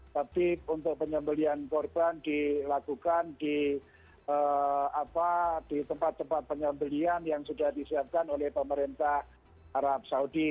tapi untuk penyembelian korban dilakukan di tempat tempat penyembelian yang sudah disiapkan oleh pemerintah arab saudi